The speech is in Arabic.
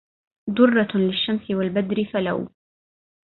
ضرة للشمس والبدر فلو